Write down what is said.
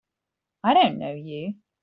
I don't know you!